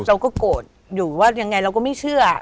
เราก็โกรธอยู่ว่ายังไงเราก็ไม่เชื่อ